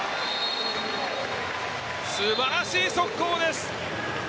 素晴らしい速攻です。